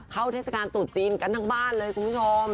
เทศกาลตรุษจีนกันทั้งบ้านเลยคุณผู้ชม